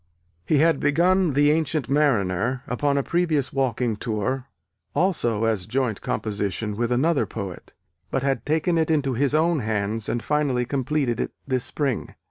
He had begun the Ancient Mariner upon a previous walking tour, also as a joint composition with the other poet, but had taken it into his own hands and finally completed it this spring.